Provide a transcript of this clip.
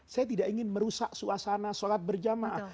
saya tidak ingin merusak suasana sholat berjamaah